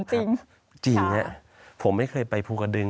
สวัสดีครับทุกคน